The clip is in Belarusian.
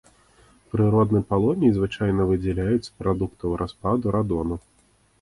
Прыродны палоній звычайна выдзяляюць з прадуктаў распаду радону.